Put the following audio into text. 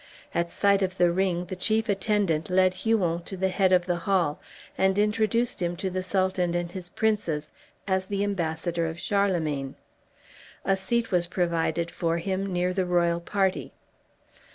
At sight of the ring the chief attendant led Huon to the head of the hall, and introduced him to the Sultan and his princes as the ambassador of Charlemagne. A seat was provided for him near the royal party.